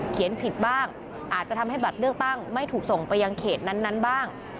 ผิดบ้างอาจจะทำให้บัตรเลือกตั้งไม่ถูกส่งไปยังเขตนั้นบ้าง